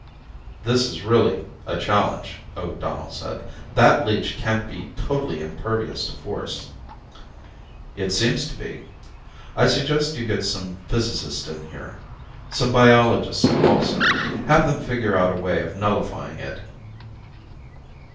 "This is really a challenge," O'Donnell said. "That leech can't be totally impervious to force." "It seems to be. I suggest you get some physicists in here. Some biologists also. Have them figure out a way of nullifying it."